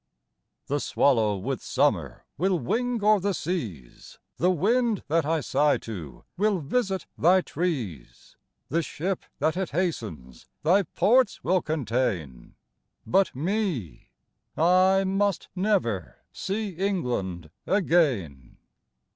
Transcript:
The swallow with summer Will wing o'er the seas, The wind that I sigh to Will visit thy trees. The ship that it hastens Thy ports will contain, But me! I must never See England again!